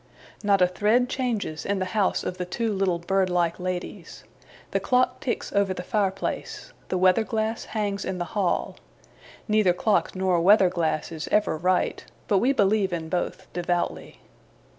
Not a thread changes, in the house of the two little bird like ladies. The clock ticks over the fireplace, the weather glass hangs in the hall. Neither clock nor weather glass is ever right; but we believe in both, devoutly.